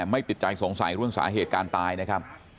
ไม่ติดใจสงสัยเรื่องสาเหตุการณ์ตายนะครับ